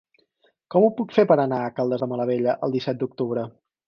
Com ho puc fer per anar a Caldes de Malavella el disset d'octubre?